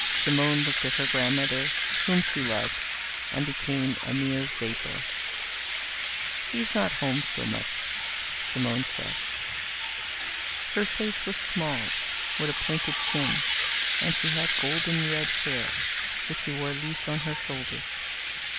Simone looked at her grandmother, whom she loved, and became a mere vapor. "He's not home so much," Simone said. Her face was small, with a pointed chin, and she had golden red hair which she wore loose on her shoulders.